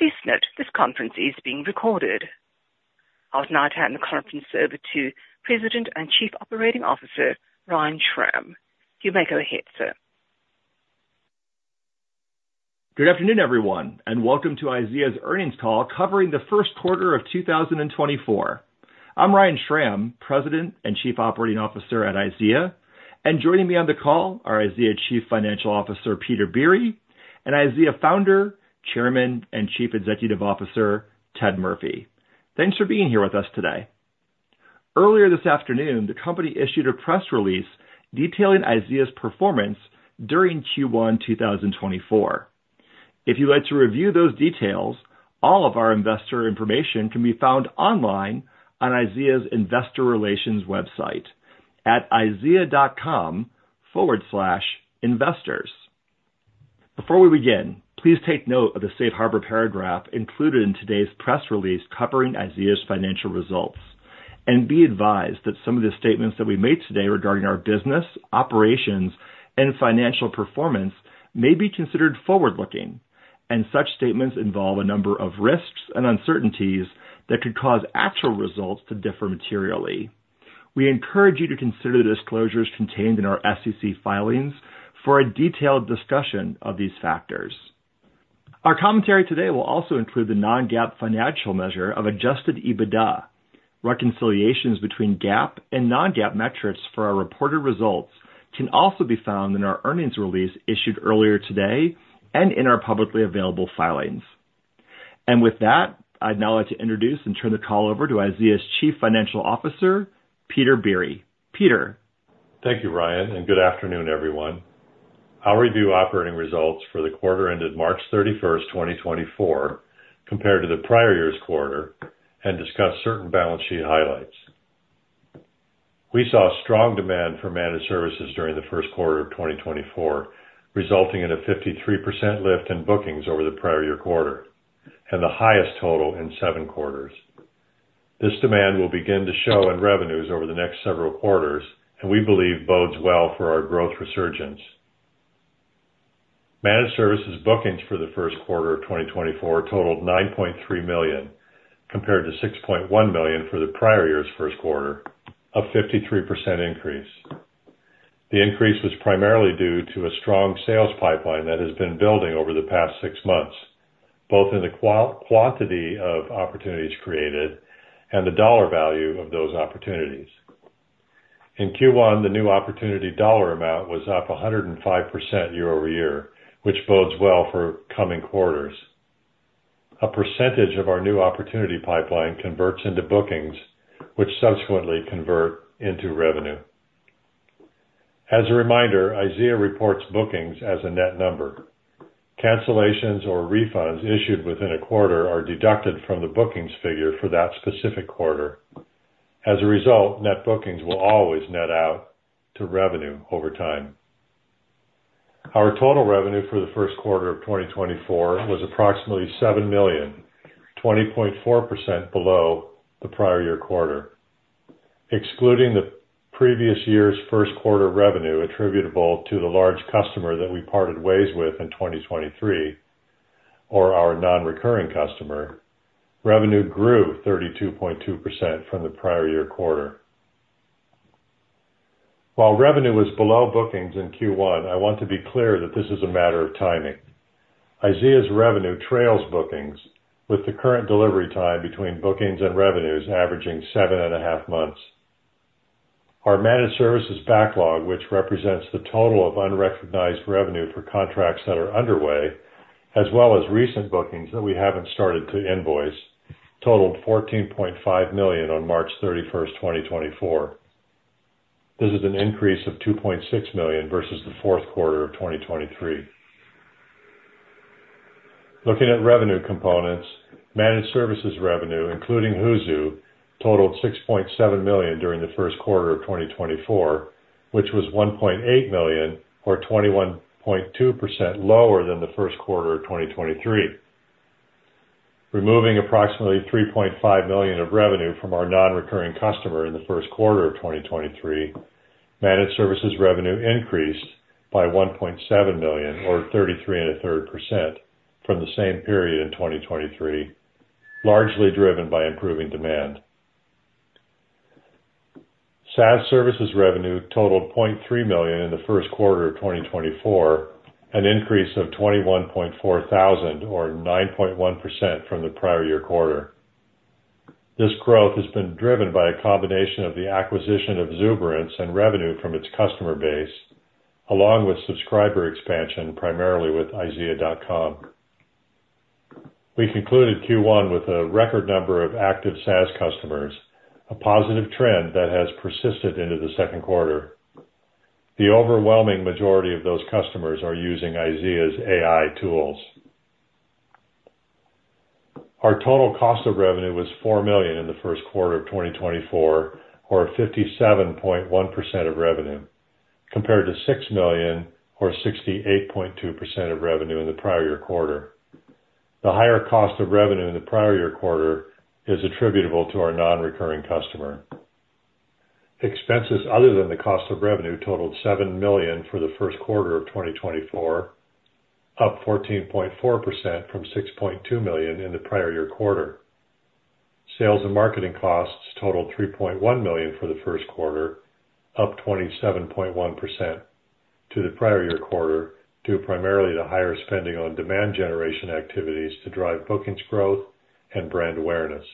Please note this conference is being recorded. I would now hand the conference over to President and Chief Operating Officer, Ryan Schram. You may go ahead, sir. Good afternoon, everyone, and welcome to IZEA's earnings call covering the first quarter of 2024. I'm Ryan Schram, President and Chief Operating Officer at IZEA, and joining me on the call are IZEA Chief Financial Officer, Peter Biere, and IZEA Founder, Chairman, and Chief Executive Officer, Ted Murphy. Thanks for being here with us today. Earlier this afternoon, the company issued a press release detailing IZEA's performance during Q1 2024. If you'd like to review those details, all of our investor information can be found online on IZEA's Investor Relations website at izea.com/investors. Before we begin, please take note of the safe harbor paragraph included in today's press release covering IZEA's financial results, and be advised that some of the statements that we made today regarding our business, operations, and financial performance may be considered forward-looking, and such statements involve a number of risks and uncertainties that could cause actual results to differ materially. We encourage you to consider the disclosures contained in our SEC filings for a detailed discussion of these factors. Our commentary today will also include the non-GAAP financial measure of adjusted EBITDA. Reconciliations between GAAP and non-GAAP metrics for our reported results can also be found in our earnings release issued earlier today and in our publicly available filings. And with that, I'd now like to introduce and turn the call over to IZEA's Chief Financial Officer, Peter Biere. Peter? Thank you, Ryan, and good afternoon, everyone. I'll review operating results for the quarter ended March 31st, 2024, compared to the prior year's quarter, and discuss certain balance sheet highlights. We saw strong demand for managed services during the first quarter of 2024, resulting in a 53% lift in bookings over the prior year quarter and the highest total in seven quarters. This demand will begin to show in revenues over the next several quarters and we believe bodes well for our growth resurgence. Managed services bookings for the first quarter of 2024 totaled $9.3 million, compared to $6.1 million for the prior year's first quarter, a 53% increase. The increase was primarily due to a strong sales pipeline that has been building over the past six months, both in the quality of opportunities created and the dollar value of those opportunities. In Q1, the new opportunity dollar amount was up 105% year-over-year, which bodes well for coming quarters. A percentage of our new opportunity pipeline converts into bookings, which subsequently convert into revenue. As a reminder, IZEA reports bookings as a net number. Cancellations or refunds issued within a quarter are deducted from the bookings figure for that specific quarter. As a result, net bookings will always net out to revenue over time. Our total revenue for the first quarter of 2024 was approximately $7 million, 20.4% below the prior year quarter. Excluding the previous year's first quarter revenue attributable to the large customer that we parted ways with in 2023, or our non-recurring customer, revenue grew 32.2% from the prior year quarter. While revenue was below bookings in Q1, I want to be clear that this is a matter of timing. IZEA's revenue trails bookings, with the current delivery time between bookings and revenues averaging seven and a half months. Our Managed Services backlog, which represents the total of unrecognized revenue for contracts that are underway, as well as recent bookings that we haven't started to invoice, totaled $14.5 million on March 31st, 2024. This is an increase of $2.6 million versus the fourth quarter of 2023. Looking at revenue components, Managed Services revenue, including Hoozu, totaled $6.7 million during the first quarter of 2024, which was $1.8 million, or 21.2%, lower than the first quarter of 2023. Removing approximately $3.5 million of revenue from our non-recurring customer in the first quarter of 2023, Managed Services revenue increased by $1.7 million, or 33 and a third percent, from the same period in 2023, largely driven by improving demand. SaaS Services revenue totaled $0.3 million in the first quarter of 2024, an increase of $21.4 thousand or 9.1% from the prior year quarter. This growth has been driven by a combination of the acquisition of Zuberance and revenue from its customer base, along with subscriber expansion, primarily with izea.com. We concluded Q1 with a record number of active SaaS customers, a positive trend that has persisted into the second quarter. The overwhelming majority of those customers are using IZEA's AI tools. Our total cost of revenue was $4 million in the first quarter of 2024, or 57.1% of revenue, compared to $6 million or 68.2% of revenue in the prior year quarter. The higher cost of revenue in the prior year quarter is attributable to our non-recurring customer. Expenses other than the cost of revenue totaled $7 million for the first quarter of 2024, up 14.4% from $6.2 million in the prior year quarter. Sales and marketing costs totaled $3.1 million for the first quarter, up 27.1% to the prior year quarter, due primarily to higher spending on demand generation activities to drive bookings growth and brand awareness.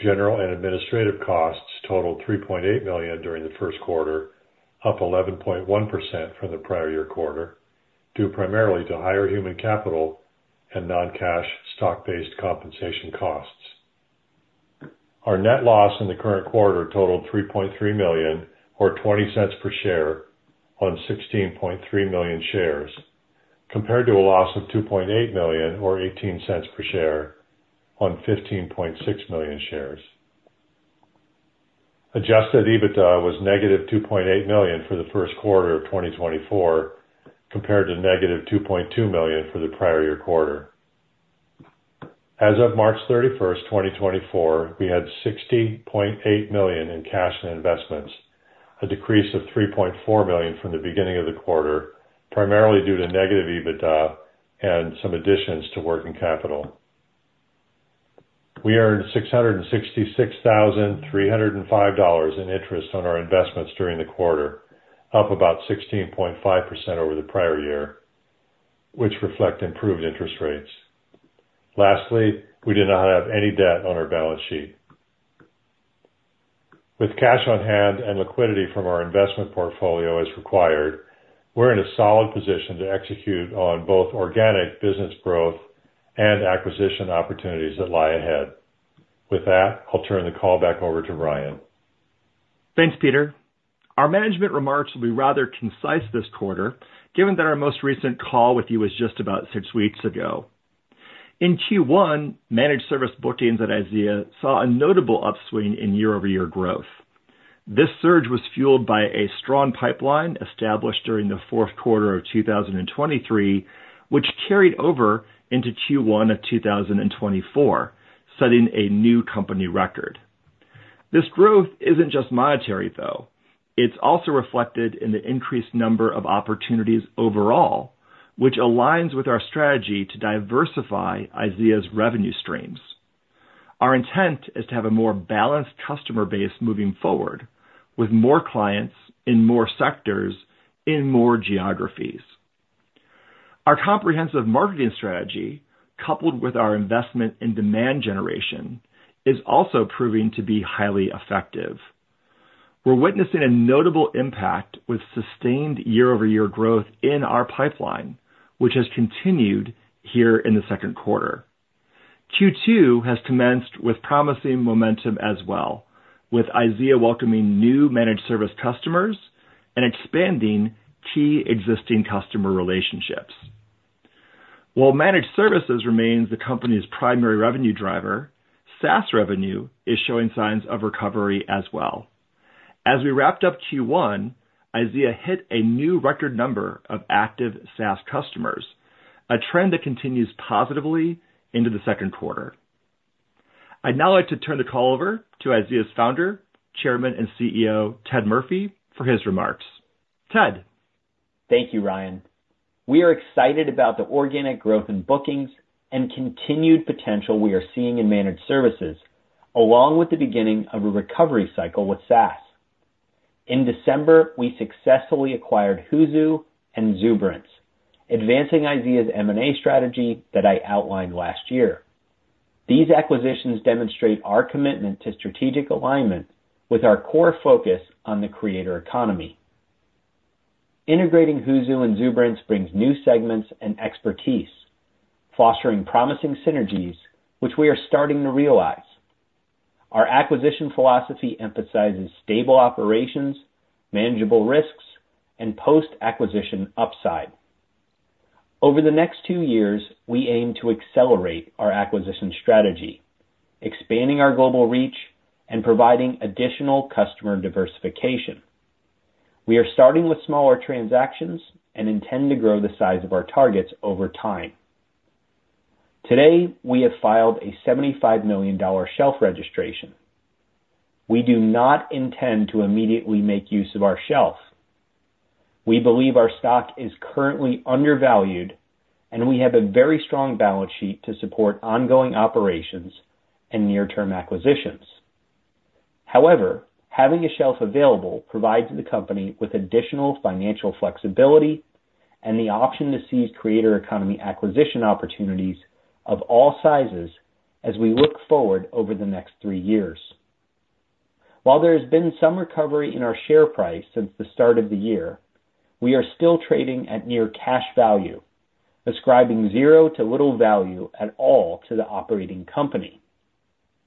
General and administrative costs totaled $3.8 million during the first quarter, up 11.1% from the prior year quarter, due primarily to higher human capital and non-cash stock-based compensation costs. Our net loss in the current quarter totaled $3.3 million, or $0.20 per share, on 16.3 million shares, compared to a loss of $2.8 million, or $0.18 per share, on 15.6 million shares. Adjusted EBITDA was -$2.8 million for the first quarter of 2024, compared to -$2.2 million for the prior year quarter. As of March 31st, 2024, we had $60.8 million in cash and investments, a decrease of $3.4 million from the beginning of the quarter, primarily due to negative EBITDA and some additions to working capital. We earned $666,305 in interest on our investments during the quarter, up about 16.5% over the prior year, which reflect improved interest rates. Lastly, we did not have any debt on our balance sheet. With cash on hand and liquidity from our investment portfolio as required, we're in a solid position to execute on both organic business growth and acquisition opportunities that lie ahead. With that, I'll turn the call back over to Ryan. Thanks, Peter. Our management remarks will be rather concise this quarter, given that our most recent call with you was just about six weeks ago. In Q1, managed service bookings at IZEA saw a notable upswing in year-over-year growth. This surge was fueled by a strong pipeline established during the fourth quarter of 2023, which carried over into Q1 of 2024, setting a new company record. This growth isn't just monetary, though. It's also reflected in the increased number of opportunities overall, which aligns with our strategy to diversify IZEA's revenue streams. Our intent is to have a more balanced customer base moving forward, with more clients in more sectors, in more geographies. Our comprehensive marketing strategy, coupled with our investment in demand generation, is also proving to be highly effective. We're witnessing a notable impact with sustained year-over-year growth in our pipeline, which has continued here in the second quarter. Q2 has commenced with promising momentum as well, with IZEA welcoming new managed service customers and expanding key existing customer relationships. While managed services remains the company's primary revenue driver, SaaS revenue is showing signs of recovery as well. As we wrapped up Q1, IZEA hit a new record number of active SaaS customers, a trend that continues positively into the second quarter. I'd now like to turn the call over to IZEA's Founder, Chairman, and CEO, Ted Murphy, for his remarks. Ted? Thank you, Ryan. We are excited about the organic growth in bookings and continued potential we are seeing in managed services, along with the beginning of a recovery cycle with SaaS. In December, we successfully acquired Hoozu and Zuberance, advancing IZEA's M&A strategy that I outlined last year. These acquisitions demonstrate our commitment to strategic alignment with our core focus on the creator economy. Integrating Hoozu and Zuberance brings new segments and expertise, fostering promising synergies, which we are starting to realize. Our acquisition philosophy emphasizes stable operations, manageable risks, and post-acquisition upside. Over the next two years, we aim to accelerate our acquisition strategy, expanding our global reach and providing additional customer diversification. We are starting with smaller transactions and intend to grow the size of our targets over time. Today, we have filed a $75 million shelf registration. We do not intend to immediately make use of our shelf. We believe our stock is currently undervalued, and we have a very strong balance sheet to support ongoing operations and near-term acquisitions. However, having a shelf available provides the company with additional financial flexibility and the option to seize creator economy acquisition opportunities of all sizes as we look forward over the next three years. While there has been some recovery in our share price since the start of the year, we are still trading at near cash value, ascribing zero to little value at all to the operating company.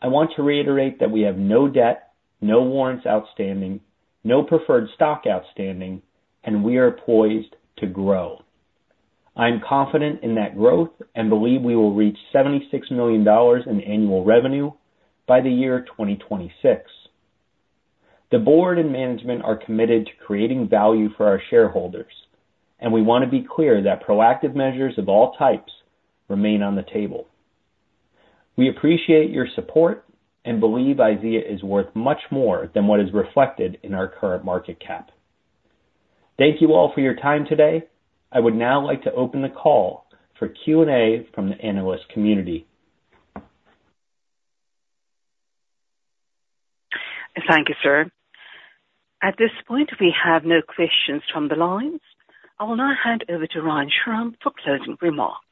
I want to reiterate that we have no debt, no warrants outstanding, no preferred stock outstanding, and we are poised to grow. I am confident in that growth and believe we will reach $76 million in annual revenue by the year 2026. The board and management are committed to creating value for our shareholders, and we want to be clear that proactive measures of all types remain on the table. We appreciate your support and believe IZEA is worth much more than what is reflected in our current market cap. Thank you all for your time today. I would now like to open the call for Q&A from the analyst community. Thank you, sir. At this point, we have no questions from the lines. I will now hand over to Ryan Schram for closing remarks.